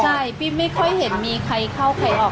ใช่พี่ไม่ค่อยเห็นมีใครเข้าใครออก